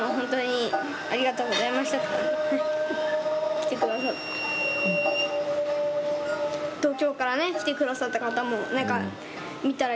来てくださった。